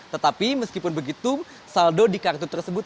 tetapi meskipun begitu saldo di kartu tersebut